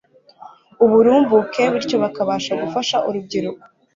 uburumbuke bityo bakabasha gufasha urubyiruko